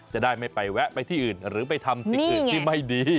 จะได้ไม่ไปแวะไปที่อื่นหรือไปทำสิ่งอื่นที่ไม่ดี